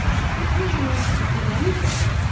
Which was enough to put anybody out."